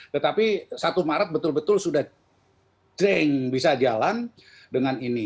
tetapi satu maret betul betul sudah jeng bisa jalan dengan ini